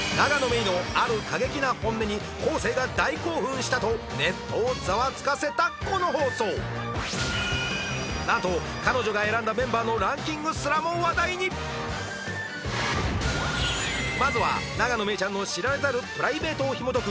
郁のある過激な本音に昴生が大興奮したとネットをざわつかせたこの放送なんと彼女が選んだメンバーのランキングすらも話題にまずは永野芽郁ちゃんの知られざるプライベートをひもとく